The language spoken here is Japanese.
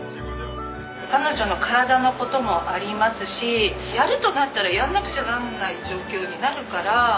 彼女の体の事もありますしやるとなったらやらなくちゃならない状況になるから。